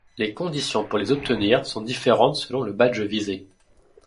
Les conditions pour les obtenir sont différentes selon le badge visé.